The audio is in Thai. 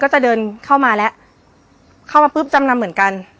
จะเดินเข้ามาแล้วเข้ามาปุ๊บจำนำเหมือนกัน